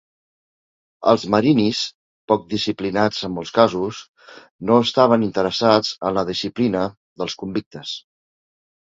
Els marinis, poc disciplinats en molts casos, no estaven interessats en la disciplina dels convictes.